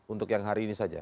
untuk yang hari ini saja